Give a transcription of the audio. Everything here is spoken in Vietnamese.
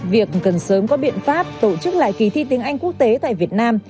việc cần sớm có biện pháp tổ chức lại kỳ thi tiếng anh quốc tế tại việt nam